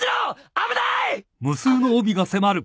危ない！